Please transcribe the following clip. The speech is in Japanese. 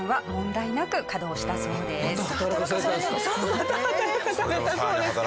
また働かされたそうです。